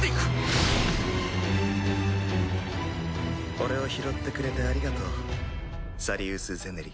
俺を拾ってくれてありがとうサリウス・ゼネリ。